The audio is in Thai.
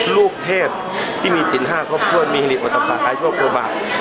ลูกเทพที่มีศิลป์๕ครอบครึ้มมิหิตุอุตปะอายชั่วโครบาป